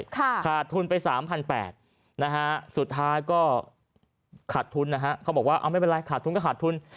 ขาดทุนไป๓๘๐๐สุดท้ายก็ขาดทุนครับเขาบอกว่าเอาไม่เป็นไรขาดทุนก็ขาดทุน